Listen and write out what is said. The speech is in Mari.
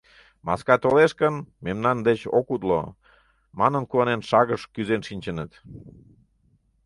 — Маска толеш гын, мемнан деч ок утло, — манын куанен, шагыш кӱзен шинчыныт.